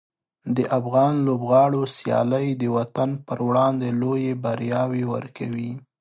د افغان لوبغاړو سیالۍ د وطن پر وړاندې لویې بریاوې ورکوي.